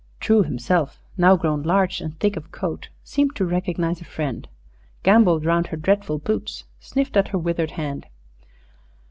True himself, now grown large and thick of coat, seemed to recognize a friend, gambolled round her dreadful boots, sniffed at her withered hand.